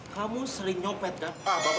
kamu sering nyopet kan